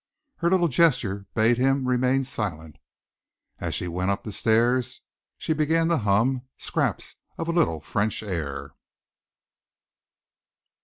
Her little gesture bade him remain silent. As she went up the stairs, she began to hum scraps of a little French air.